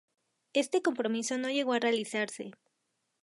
Este compromiso no llegó a realizarse.